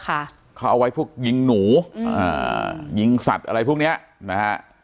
เขาเอาไว้พวกยิงหนูอ่ายิงสัตว์อะไรพวกเนี้ยนะฮะ